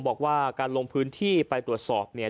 บอกว่าการลงพื้นที่ไปตรวจสอบเนี่ย